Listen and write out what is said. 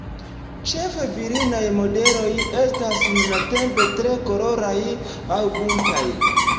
Ĉefe virinaj modeloj estas nuntempe tre koloraj aŭ buntaj.